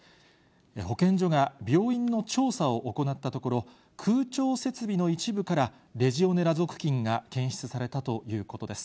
保健所が病院の調査を行ったところ、空調設備の一部からレジオネラ属菌が検出されたということです。